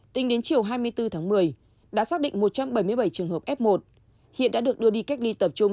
tính đến chiều hai mươi bốn tháng một mươi đã xác định một trăm bảy mươi bảy trường hợp f một hiện đã được đưa đi cách ly tập trung